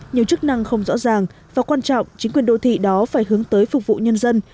nhiều chức năng không rõ ràng và quan trọng chính quyền đô thị đó phải hướng tới phục vụ nhân dân